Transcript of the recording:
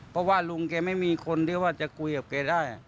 เพราะว่าลุงแกไม่มีคนที่ว่าจะคุยกับแกได้